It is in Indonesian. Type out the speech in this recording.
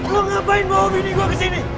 lo ngapain bawa bini gue kesini